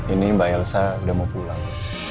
ini mbak elsa udah mau pulang